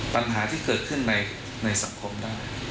ปัญหาที่เกิดขึ้นในสังคมได้